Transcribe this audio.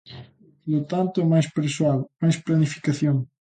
Polo tanto, máis persoal, mais planificación.